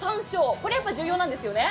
これはやはり重要なんですよね？